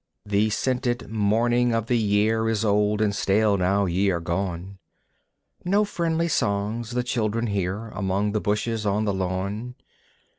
The scented morning of the year Is old and stale now ye are gone. No friendly songs the children hear Among the bushes on the lawn.